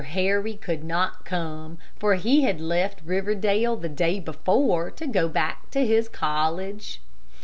Harry could not come, for he had left Riverdale the day before to go back to his college.